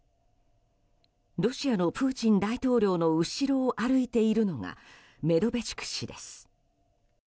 ロシアのプーチン大統領の後ろを歩いているのがメドベチュク氏です。